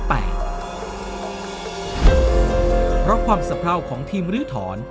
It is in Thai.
เพราะความสะเพราของทีมลื้อถอน